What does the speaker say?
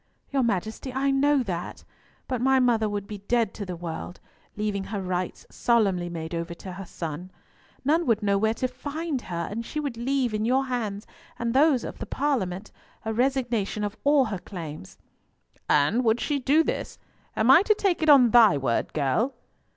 "Your Majesty, I know that. But my mother would be dead to the world, leaving her rights solemnly made over to her son. None would know where to find her, and she would leave in your hands, and those of the Parliament, a resignation of all her claims." "And would she do this? Am I to take it on thy word, girl?"